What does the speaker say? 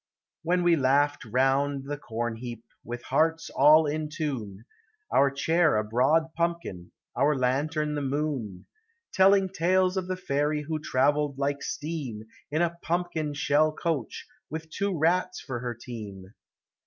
When we laughed round the corn heap, with hearts all in tune, Our chair a broad pumpkin, our lantern the moon, Telling tales of the fairy who travelled like steam In a pumpkin shell coach, with two rats for her team